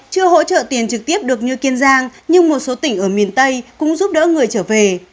chưa hỗ trợ tiền trực tiếp được như kiên giang nhưng một số tỉnh ở miền tây cũng giúp đỡ người trở về